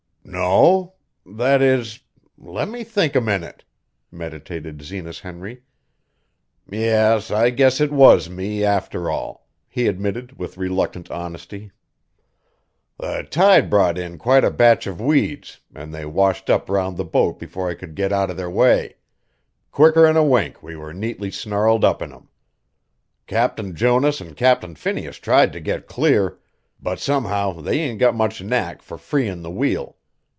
"No. That is let me think a minute," meditated Zenas Henry. "Yes, I guess it was me, after all," he admitted with reluctant honesty. "The tide brought in quite a batch of weeds, an' they washed up round the boat before I could get out of their way; quicker'n a wink we were neatly snarled up in 'em. Captain Jonas an' Captain Phineas tried to get clear, but somehow they ain't got much knack fur freein' the wheel.